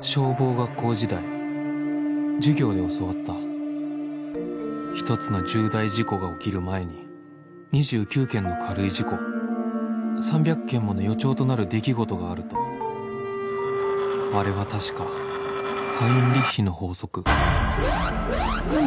消防学校時代授業で教わった一つの重大事故が起きる前に２９件の軽い事故３００件もの予兆となる出来事があるとあれは確かハインリッヒの法則何？